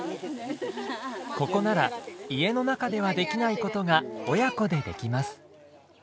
ここなら家の中ではできないことが親子でできます。